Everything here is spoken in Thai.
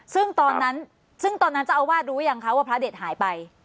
ซึ่งตอนนั้นซึ่งตอนนั้นเจ้าอาวาสรู้ยังคะว่าพระเด็ดหายไป